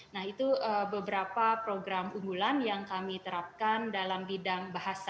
nah itu beberapa program unggulan yang kami terapkan dalam bidang bahasa